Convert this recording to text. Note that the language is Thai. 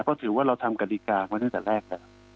เพราะถือว่าเราทำกฎิกามาตั้งแต่แรกแล้ว